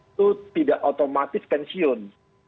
itu tidak otomatis pensiun